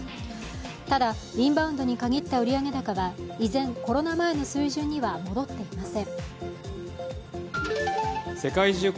ただインバウンドに限った売上高は依然、コロナ前の水準には戻っていません。